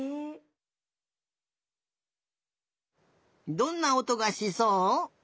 どんなおとがしそう？